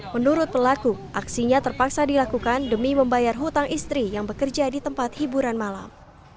menurut pelaku aksinya terpaksa dilakukan demi membayar hutang istri yang bekerja di tempat hiburan malam